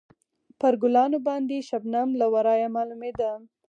پر ګلانو باندې شبنم له ورایه معلومېده.